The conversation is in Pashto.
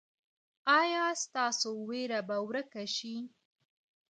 ایا ستاسو ویره به ورکه شي؟